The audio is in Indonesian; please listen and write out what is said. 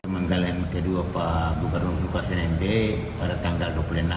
penggalan kedua pak gubernur lukas nmb pada tanggal dua puluh enam